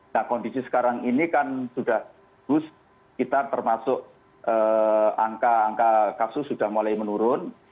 nah kondisi sekarang ini kan sudah bus kita termasuk angka angka kasus sudah mulai menurun